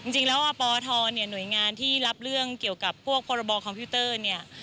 จริงแล้วอปทเนี่ยหน่วยงานที่รับเรื่องเกี่ยวกับพวกพรบคอมพิวเตอร์เนี่ย